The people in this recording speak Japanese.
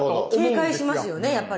警戒しますよねやっぱり。